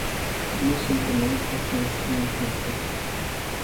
Nu suntem aici ca sa înscriem puncte.